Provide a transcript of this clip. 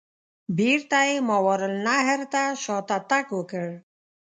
بیرته یې ماوراء النهر ته شاته تګ وکړ.